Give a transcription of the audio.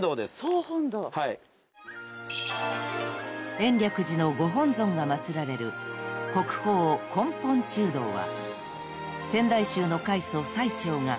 ［延暦寺のご本尊が祭られる国宝根本中堂は］